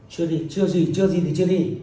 chưa gì chưa gì chưa gì thì chưa đi